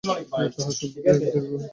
তাঁহার সম্মুখে এক দীর্ঘ খাঁড়া।